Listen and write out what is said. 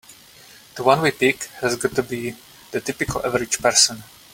The one we pick has gotta be the typical average person.